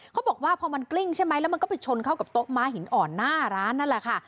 เขาบอกว่าพอมันกลิ้งใช่ไหมแล้วมันก็ไปชนเข้ากับโต๊ะม้าหินอ่อนหน้าร้านนั่นแหละค่ะ